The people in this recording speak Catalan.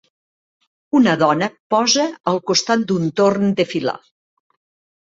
Una dona posa al costat d'un torn de filar.